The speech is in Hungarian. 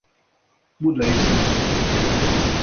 Budai származású.